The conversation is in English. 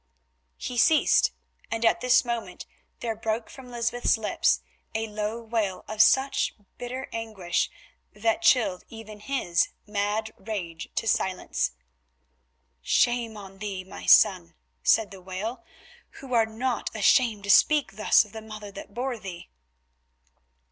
He ceased, and at this moment there broke from Lysbeth's lips a low wail of such bitter anguish that it chilled even his mad rage to silence. "Shame on thee, my son," said the wail, "who art not ashamed to speak thus of the mother that bore thee."